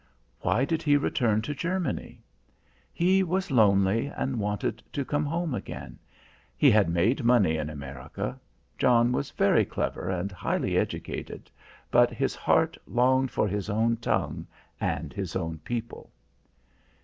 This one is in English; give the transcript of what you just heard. "Why did he return to Germany?" "He was lonely and wanted to come home again. He had made money in America John was very clever and highly educated but his heart longed for his own tongue and his own people."